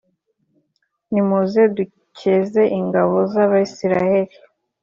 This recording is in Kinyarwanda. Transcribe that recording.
nimuze dukeze ingabo z’ Abasiriya